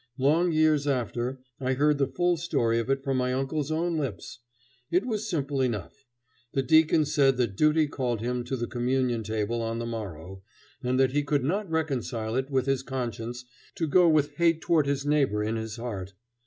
Long years after I heard the full story of it from my uncle's own lips. It was simple enough. The deacon said that duty called him to the communion table on the morrow, and that he could not reconcile it with his conscience to go with hate toward his neighbor in his heart.